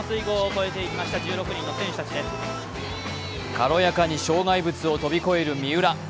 軽やかに障害物を飛び越える三浦。